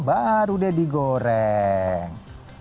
baru deh digoreng